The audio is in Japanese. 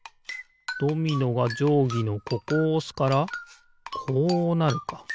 ドミノがじょうぎのここをおすからこうなるか。